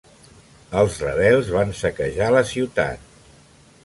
Els rebels van saquejar la ciutat.